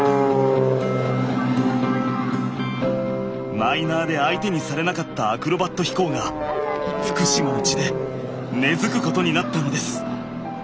マイナーで相手にされなかったアクロバット飛行が福島の地で根づくことになったのです。